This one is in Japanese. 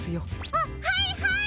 あっはいはい！